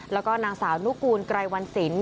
แล้วก็นางสาวนุกูลไกรวันสิน